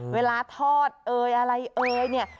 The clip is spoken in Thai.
เวลาทอดเอ่ยอะไรเอ่ยเนี่ย